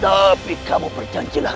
tapi kamu berjanjilah